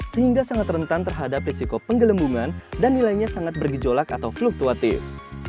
sehingga sangat rentan terhadap risiko penggelembungan dan nilainya sangat bergejolak atau fluktuatif